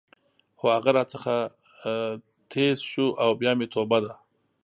خو هغه راڅخه ټیز شو او بیا مې توبه ده.